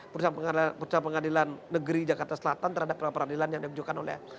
perusahaan pengadilan negeri jakarta selatan terhadap peradilan yang dimunculkan oleh